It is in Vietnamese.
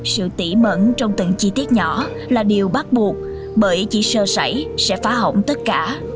sự tỉ mẩn trong từng chi tiết nhỏ là điều bắt buộc bởi chỉ sơ sảy sẽ phá hỏng tất cả